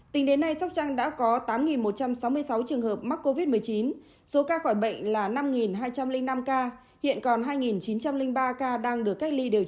tính đến nay sóc trăng đã có tám một trăm sáu mươi sáu trường hợp mắc covid một mươi chín số ca khỏi bệnh là năm hai trăm linh năm ca